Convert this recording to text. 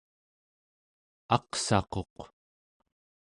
aqsaquq